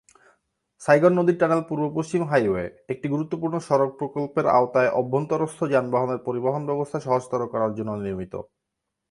Saigon নদী tunnel পূর্ব-পশ্চিম highway, একটি গুরুত্বপূর্ণ সড়ক প্রকল্পের আওতায় অভ্যন্তরস্থ যানবাহনের পরিবহন ব্যবস্থা সহজতর করার জন্য নির্মিত।